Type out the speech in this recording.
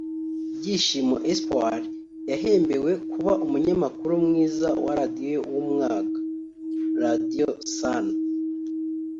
Byishimo Espoir yahembewe kuba umunyamakuru mwiza wa Radio w'umwaka(Radio Sana)